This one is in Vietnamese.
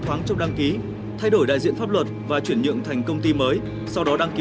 khoáng trong đăng ký thay đổi đại diện pháp luật và chuyển nhượng thành công ty mới sau đó đăng ký